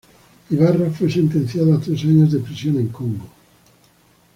Ibarra fue sentenciado a tres años de prisión en Congo.